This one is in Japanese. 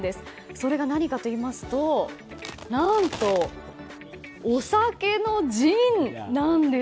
それが何かといいますと何とお酒のジンなんです。